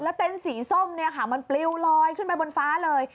แล้วเต้นสีส้มมันปลิวลอยขึ้นไปบนฟ้าเลย